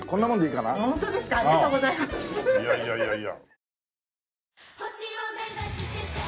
いやいやいやいや。